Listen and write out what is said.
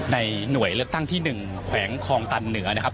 หน่วยเลือกตั้งที่๑แขวงคลองตันเหนือนะครับ